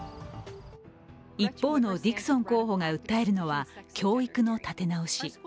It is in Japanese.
一方のディクソン候補が訴えるのは教育の立て直し。